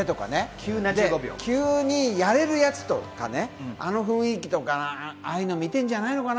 急にやれるやつとかね、あの雰囲気とか、ああいうのを見てるんじゃないかな？